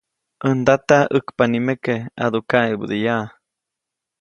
ʼÄj ndata, ʼäkpa nikeme, ʼadu kaʼebädeyaʼa.